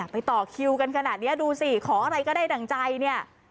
ต่อคิวกันขนาดนี้ดูสิขออะไรก็ได้ดั่งใจเนี่ย